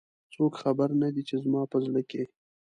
څوک خبر نه د ی، چې زما په زړه کې